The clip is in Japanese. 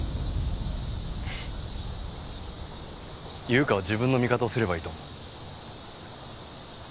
優香は自分の味方をすればいいと思う。